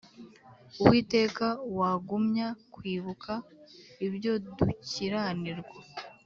Uwiteka wagumya kwibuka ibyo dukiranirwa